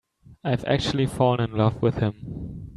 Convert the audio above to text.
I've actually fallen in love with him.